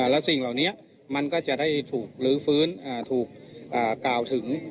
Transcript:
แล้วสิ่งเหล่านี้มันก็จะได้ถูกลื้อฟื้นถูกกล่าวถึง